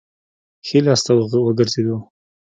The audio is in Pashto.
ښي لاس ته وګرځېدو.